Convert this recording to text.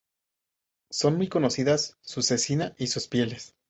Son muy conocidas su cecina y sus pieles.